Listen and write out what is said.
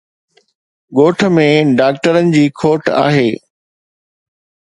ڳوٺ ۾ ڊاڪٽرن جي کوٽ آهي